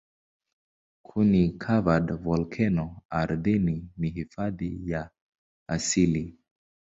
Kuni-covered volkeno ardhini ni hifadhi ya asili.